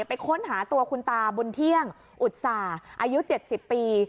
ไปค้นหาตัวคุณตาบุญเที่ยงอุตส่าห์อายุ๗๐ปี